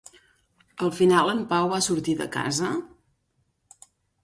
Al final en Pau va sortir de casa?